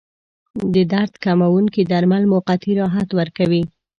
د درد کموونکي درمل موقتي راحت ورکوي.